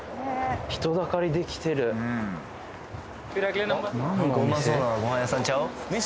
人だかりできてるなんのお店？